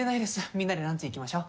みんなでランチ行きましょ。